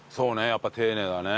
やっぱ丁寧だね。